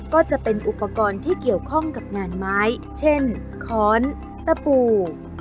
ก็จะเป็นอุปกรณ์ที่เกี่ยวข้องกับงานไม้เช่นค้อนตะปู